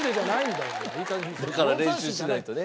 だから練習しないとね。